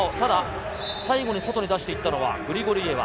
最後に外に出していったのはグリゴルイエワ。